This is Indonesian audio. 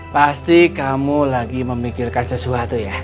pasti kamu lagi memikirkan sesuatu ya